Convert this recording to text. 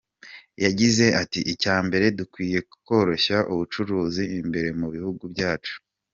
Yagize ati “Icya mbere, dukwiye koroshya ubucuruzi imbere mu bihugu byacu.